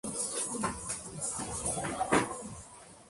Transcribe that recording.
Las excavaciones arqueológicas continúan en la actualidad.